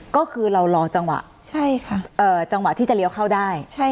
ก็คือเรารอจังหวะจังหวะที่จะเลี้ยวเข้าได้